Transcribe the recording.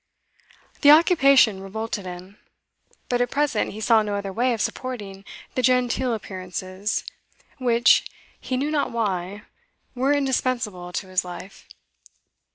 The occupation revolted him, but at present he saw no other way of supporting the genteel appearances which he knew not why were indispensable to his life.